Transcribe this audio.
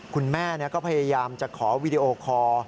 คุณแม่ก็พยายามจะขอวีดีโอคอร์